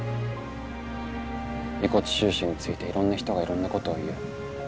「遺骨収集についていろんな人がいろんなことを言う。